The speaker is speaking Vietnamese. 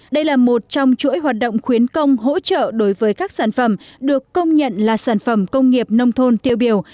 đây là một trong chuỗi hoạt động khuyến công hỗ trợ đối với các sản phẩm được công nhận là sản phẩm công nghiệp nông thôn tiêu biểu